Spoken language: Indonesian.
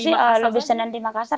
sih lebih senang di makassar